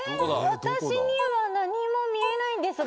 私には何も見えないんですが。